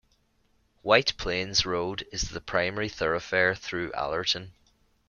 White Plains Road is the primary thoroughfare through Allerton.